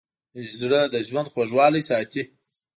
زړه د ژوند خوږوالی ساتي.